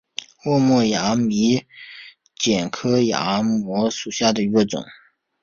望谟崖摩为楝科崖摩属下的一个种。